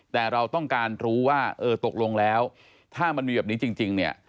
แต่เราต้องการรู้ว่าเออตกลงแล้วถ้ามันมีแบบนี้จริงเนี่ย